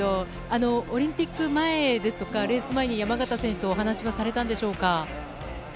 オリンピック前ですとかレース前に山縣選手とお話はされたんでしょうか？